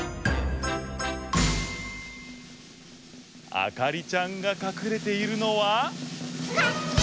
あかりちゃんがかくれているのは。